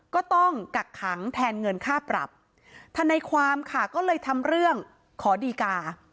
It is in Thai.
กักขังแทนเงินค่าปรับทนายความค่ะก็เลยทำเรื่องขอดีกา